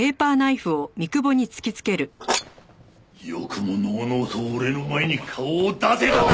よくものうのうと俺の前に顔を出せたな！